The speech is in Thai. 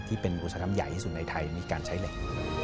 ที่เป็นอุตสาหกรรมใหญ่ที่สุดในไทยในการใช้เหล็ก